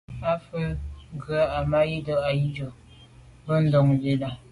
À’ fə̂ nyɑ́ gə̀ bə́ â Ahidjò mbɑ́ bə̀k bə́ á yá ndɔ̌n lî.